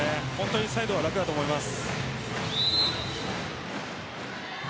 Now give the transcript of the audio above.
サイドが楽だと思います。